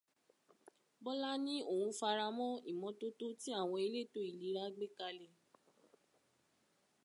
Bólá ní òun faramọ́ ìmọ́tótó tí àwọn elétò ìlera gbékalẹ̀.